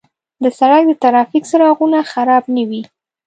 د سړک د ترافیک څراغونه خراب نه وي.